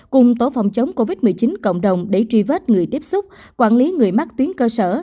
cùng tổ phòng chống covid một mươi chín cộng đồng để truy vết người tiếp xúc quản lý người mắc tuyến cơ sở